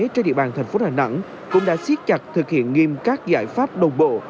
trên địa bàn thành phố đà nẵng cũng đã siết chặt thực hiện nghiêm các giải pháp đồng bộ